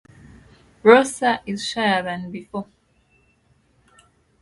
Rosa is shyer than before.